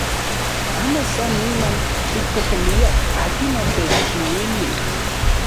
Amo san niman tikkokoliaj akin otechchiuili.